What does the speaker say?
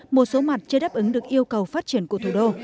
một số mặt chưa đáp ứng được yêu cầu phát triển của thủ đô